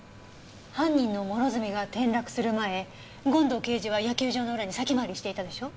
犯人の諸角が転落する前権藤刑事は野球場の裏に先回りしていたでしょ？